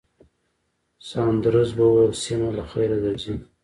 ساندرز وویل، سېمه، له خیره درځئ.